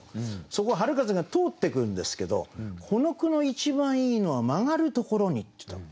そこを春風が通ってくるんですけどこの句の一番いいのは「曲がるところに」ってとこ。